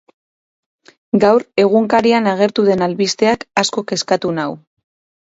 Gaur, egunkarian agertu den albisteak asko kezkatu nau.